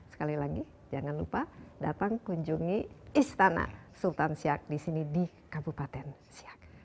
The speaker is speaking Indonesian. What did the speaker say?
sekali lagi jangan lupa datang kunjungi istana sultan siak di sini di kabupaten siak